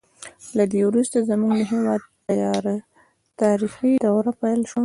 له دې وروسته زموږ د هېواد تیاره تاریخي دوره پیل شوه.